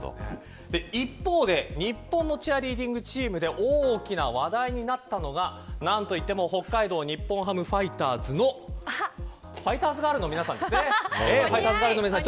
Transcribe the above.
一方で、日本のチアリーディングチームで大きな話題になったのが何といっても北海道日本ハムファイターズのファイターズガールの皆さんですよね。